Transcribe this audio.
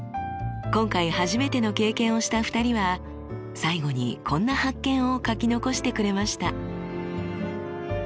今回初めての経験をした２人は最後にこんな発見を書き残してくれました。